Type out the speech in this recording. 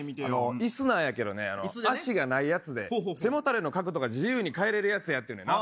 いすなんやけどね、脚がないやつで、背もたれの角度が自由に変えれるやつやって言うてんねんな。